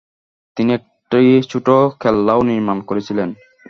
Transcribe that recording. তিনি একটি ছোট কেল্লাও নির্মাণ করেছিলেন।